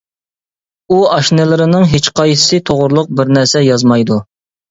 ئۇ ئاشنىلىرىنىڭ ھېچقايسىسى توغرۇلۇق بىر نەرسە يازمايدۇ.